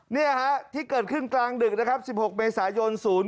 นี่ฮะที่เกิดขึ้นกลางดึกนะครับ๑๖เมษายน๐๔